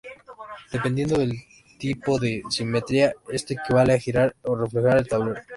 Dependiendo del tipo de simetría, esto equivale a girar o reflejar el tablero.